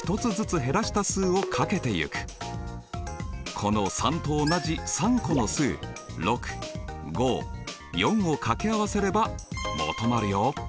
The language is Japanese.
そしてこの３と同じ３個の数６５４をかけ合わせれば求まるよ。